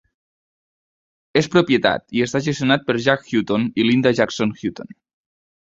És propietat i està gestionat per Jack Hutton i Linda Jackson-Hutton.